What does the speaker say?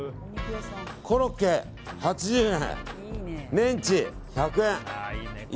コロッケ８０円メンチ１００円。